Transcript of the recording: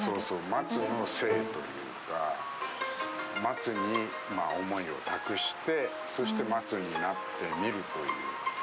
松の生というか松に思いを託してそして松になってみるという。